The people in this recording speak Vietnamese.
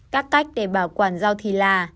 các cách để bảo quản rau thì là